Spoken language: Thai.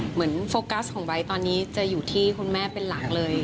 โฟกัสของไบท์ตอนนี้จะอยู่ที่คุณแม่เป็นหลักเลย